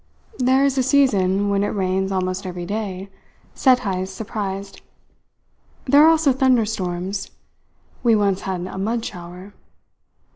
"There is a season when it rains almost every day," said Heyst, surprised. "There are also thunderstorms. We once had a 'mud shower.'"